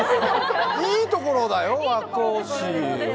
いいところだよ、和光市。